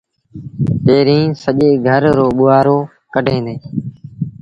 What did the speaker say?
پيريٚݩ سڄي گھر رو ٻوهآرو ڪڍيٚن ديٚݩ ۔